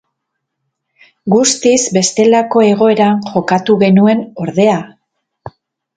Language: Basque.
Guztiz bestelako egoeran jokatu genuen, ordea!